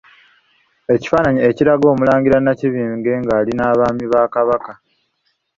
Ekifaananyi ekiraga Omulangira Nakibinge nga ali n'Abaami ba Kabaka.